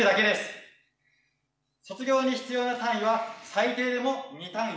卒業に必要な単位は最低でも２単位。